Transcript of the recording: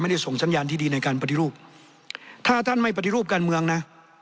ได้ส่งสัญญาณที่ดีในการปฏิรูปถ้าท่านไม่ปฏิรูปการเมืองนะ